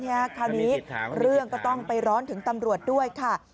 คราวนี้เรื่องก็ต้องไปร้อนถึงตำรวจด้วยค่ะ